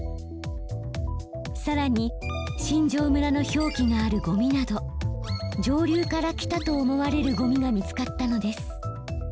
さらに新庄村の表記があるゴミなど上流から来たと思われるゴミが見つかったのです。